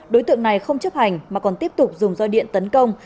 đối tượng này không chấp hành mà còn tiếp tục dùng roi điện tấn công